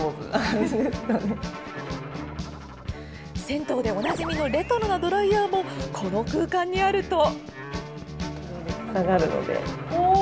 銭湯でおなじみのレトロなドライヤーもこの空間にあると。